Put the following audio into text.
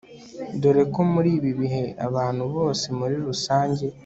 dore ko muri ibi bihe abantu bose muri rusange